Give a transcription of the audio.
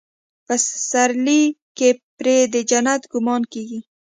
پسرلي کې پرې د جنت ګمان کېږي.